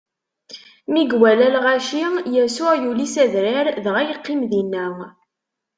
Mi iwala lɣaci, Yasuɛ yuli s adrar dɣa yeqqim dinna.